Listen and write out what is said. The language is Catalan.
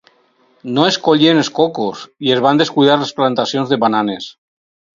No es collien els cocos i es van descuidar les plantacions de bananes.